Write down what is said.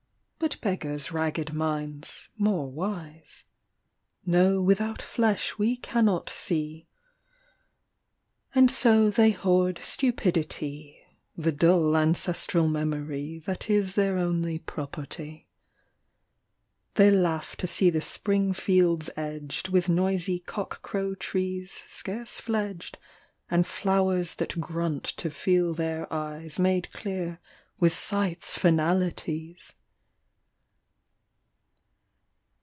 But beggars' ragged minds, more wise, 81 The Girl with the Lint White Locks. Know without flesh we cannot see — And so they hoard stupidity (The dull ancestral memory That is their only property). They laugh to see the spring fields edged With noisy cock crow trees scarce fledged And flowers that grunt to feel their eyes Made clear with sight's finalities